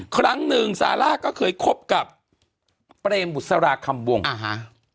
ครั้งหนึ่งซาร่าก็เคยคบกับเปรมบุษราคำวงอ่าฮะ